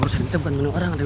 urusan itu bukan menu orang